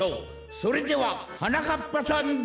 それでははなかっぱさんどうぞ！